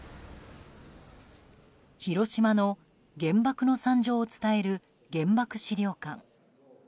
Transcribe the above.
広島の原爆の惨状を伝える原爆資料館。